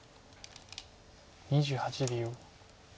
２８秒。